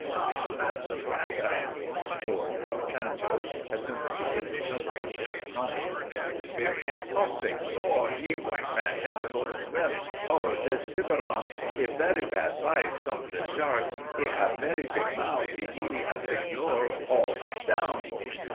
"Oh, Massa Bacra!" roared out Sambo, as soon as he could recover from his astonishment enough to speak, "Oh, Senor! he white man neber go to swim! Oh, de tiburon! he berry bad bite, come de shark; he hab berry big mouth; he eatee a Senor all up down!"